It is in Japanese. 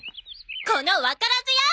このわからず屋！